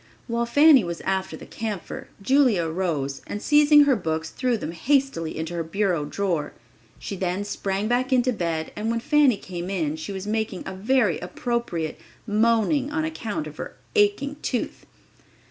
While Fanny was after the camphor, Julia arose, and seizing her books, threw them hastily into her bureau drawer. She then sprang back into bed and when Fanny came in she was making a very appropriate moaning on account of her aching tooth!